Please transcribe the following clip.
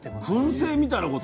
くん製みたいなこと？